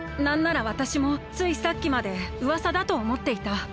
なんならわたしもついさっきまでうわさだとおもっていた。